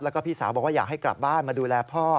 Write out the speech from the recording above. แล้วก็พี่สาวบอกว่าอยากให้กลับบ้านมาดูแลพ่อ